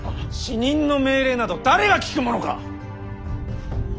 死人の命令など誰が聞くものか！